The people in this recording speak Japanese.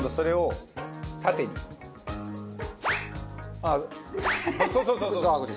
ああそうそうそうそう！